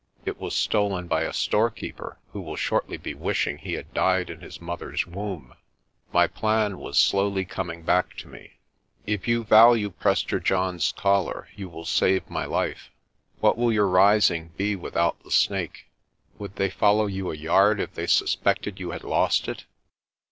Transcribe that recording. It was stolen by a storekeeper who will shortly be wishing he had died in his mother's womb." My plan was slowly coming back to me. 196 PRESTER JOHN "If you value Prester John's collar, you will save my life. What will your rising be without the Snake? Would they follow you a yard if they suspected you had lost it?